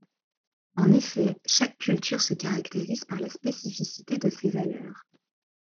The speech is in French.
En effet chaque culture se caractérise par la spécificité de ses valeurs.